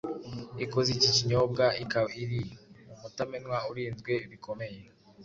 ikoze iki kinyobwa ikaba iri mu mutamenwa urinzwe bikomeye.